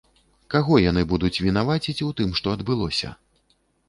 Каго яны будуць вінаваціць у тым, што адбылося?